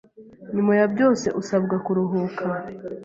Nyuma ya byose usabwa kuruhuka,